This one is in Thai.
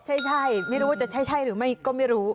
ใช่ไม่รู้ว่าจะใช่หรือไม่ก็ไม่รู้